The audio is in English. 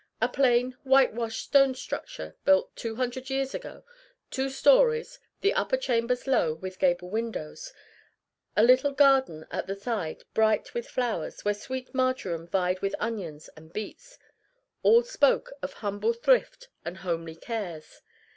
A plain, whitewashed, stone structure, built two hundred years ago; two stories, the upper chambers low, with gable windows; a little garden at the side bright with flowers, where sweet marjoram vied with onions and beets; all spoke of humble thrift and homely cares.